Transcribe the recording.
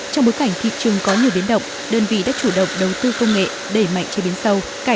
trong bối cảnh thị trường có nhiều biến động đơn vị đã chủ động đầu tư công nghệ đẩy mạnh chế biến sâu